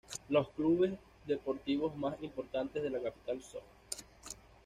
Los clubes deportivos más importantes de la capital son:.